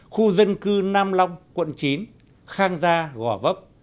khu dân cư nam long quận chín khang gia gò vấp